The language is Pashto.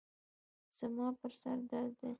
زما پر سر درد دی.